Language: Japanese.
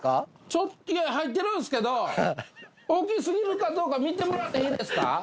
ちょっいや入ってるんすけど大きすぎるかどうか見てもらっていいですか？